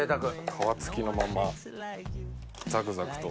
皮付きのままザクザクと。